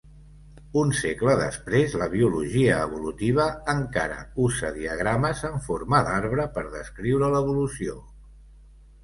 Un segle després la biologia evolutiva encara usa diagrames en forma d'arbre per descriure l'evolució.